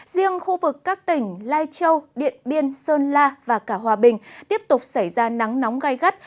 riêng khu vực các tỉnh lai châu điện biên sơn la và cả hòa bình tiếp tục xảy ra nắng nóng gai gắt